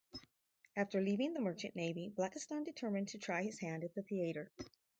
After leaving the Merchant Navy Blakiston determined to try his hand at the theatre.